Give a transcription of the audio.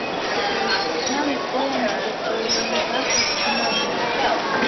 Namvoya msepoilo ni w'aka kuchumba Mlungu.